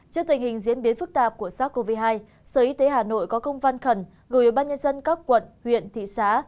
trước tình hình diễn biến phức tạp của sars cov hai sở y tế hà nội có công văn khẩn gửi ban nhân dân các quận huyện thị xã